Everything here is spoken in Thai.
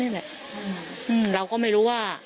พี่ทีมข่าวของที่รักของ